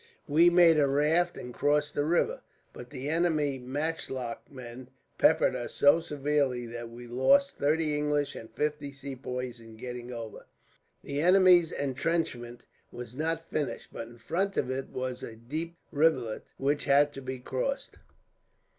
"We made a raft and crossed the river, but the enemy's matchlock men peppered us so severely that we lost thirty English and fifty Sepoys in getting over. The enemy's entrenchment was not finished, but in front of it was a deep rivulet, which had to be crossed.